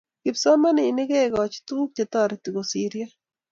kipsomaninik kekach tukuk chetareti kosiryo